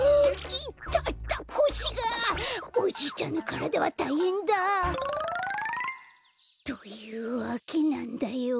イタタこしがおじいちゃんのからだはたいへんだ。というわけなんだよ。